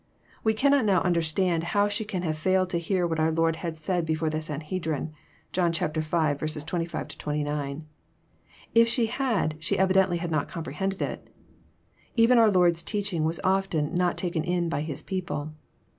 We cannot now understand how she can have failed to hear what our Lord had said before the Sanhedrim. (John v. 25 — 29.) If she had, she evidently had not comprehended it. Even our Lord's teaching was often not taken in by His people